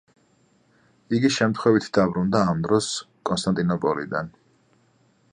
იგი შემთხვევით დაბრუნდა ამ დროს კონსტანტინოპოლიდან.